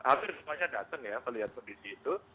akhirnya datang ya melihat kondisi itu